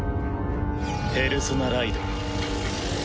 ペルソナライド。